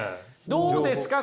どうですか？